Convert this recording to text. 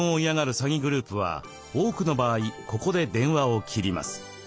詐欺グループは多くの場合ここで電話を切ります。